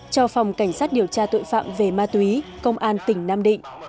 cho phòng cảnh sát điều tra tội phạm về ma túy công an tỉnh nam định